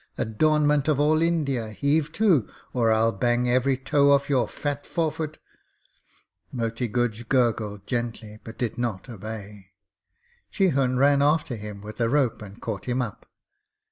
Adornment of all India, heave to, or I'll bang every toe off your fat forefoot!' Moti Guj gurgled gently, but did not obey. Chihun ran after him with a rope and caught him up.